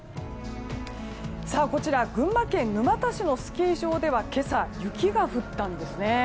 こちら群馬県沼田市のスキー場では今朝、雪が降ったんです。